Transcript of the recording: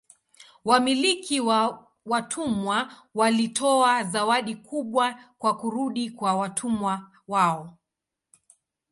Wamiliki wa watumwa walitoa zawadi kubwa kwa kurudi kwa watumwa wao.